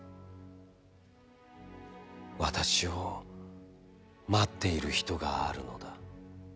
私を、待っている人があるのだ。